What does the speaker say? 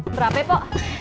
berapa ya pok